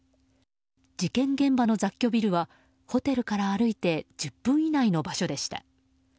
事件現場の雑居ビルはホテルから歩いて１０分以内の場所でした。